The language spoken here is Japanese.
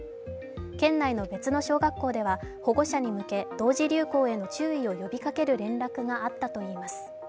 県内の別の小学校では、保護者に向け同時流行への注意を呼びかける連絡があったといいます。